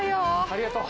ありがとう。